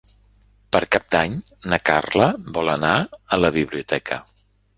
Per Cap d'Any na Carla vol anar a la biblioteca.